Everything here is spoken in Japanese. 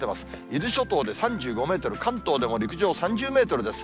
伊豆諸島で３５メートル、関東でも陸上３０メートルです。